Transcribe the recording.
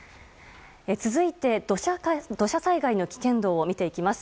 続いて、土砂災害の危険度を見ていきます。